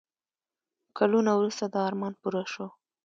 کلونه وروسته دا ارمان پوره شو.